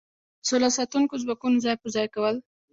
سوله ساتونکو ځواکونو ځای په ځای کول.